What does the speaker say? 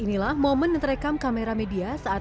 inilah momen yang terekam kamera media saat